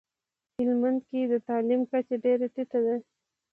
هلمندکي دتعلیم کچه ډیره ټیټه ده